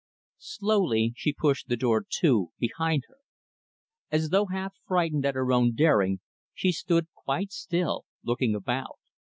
Slowly, she pushed the door to, behind her. As though half frightened at her own daring, she stood quite still, looking about.